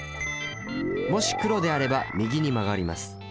もし黒であれば右に曲がります。